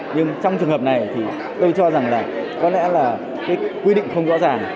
nhưng trong trường hợp này thì tôi cho rằng là có lẽ là cái quy định không rõ ràng